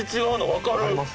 わかります？